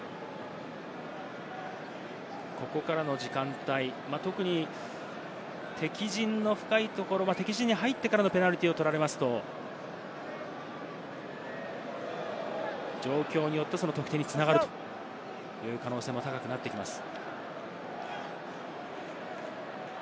ここからの時間帯は特に敵陣の深いところ、敵陣に入ってからのペナルティーを取られますと、状況によって得点に繋がるという可能性も高くなってきます。